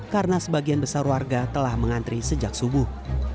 karena sebagian besar warga telah mengantri sejak subuh